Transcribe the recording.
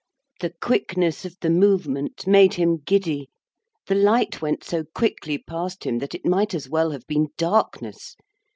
The quickness of the movement made him giddy. The light went so quickly past him that it might as well have been darkness.